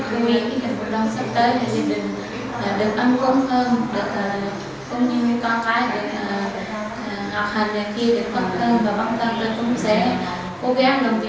khi được hỗ trợ sắp tới thì được âm cung hơn cũng như con gái được học hành khi được tốt hơn và băng thân